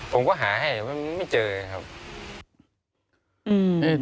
ผมก็หาให้ไม่เจอไงครับ